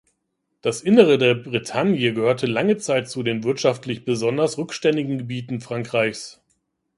Das Innere der Bretagne gehörte lange Zeit zu den wirtschaftlich besonders rückständigen Gebieten Frankreichs.